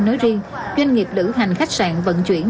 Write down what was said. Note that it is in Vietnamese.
doanh nghiệp lữ hành khách sạn vận chuyển